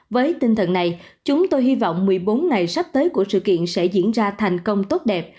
với tinh thần này chúng tôi hy vọng một mươi bốn ngày sắp tới của sự kiện sẽ diễn ra thành công tốt đẹp